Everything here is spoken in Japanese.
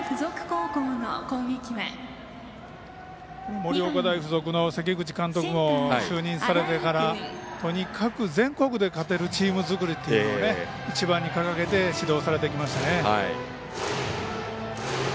盛岡大付属の関口監督も就任されてからとにかく全国で勝てるチーム作りっていうのを一番に掲げて指導されてきましたね。